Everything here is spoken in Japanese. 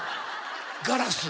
ガラス。